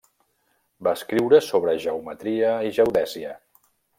Va escriure sobre geometria i geodèsia.